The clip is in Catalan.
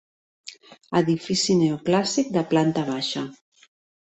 Edifici neoclàssic de planta baixa.